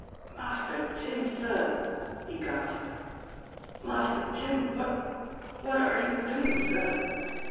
"Master Jim, sir !" he gasped. "Master Jim, what what are you doing, sir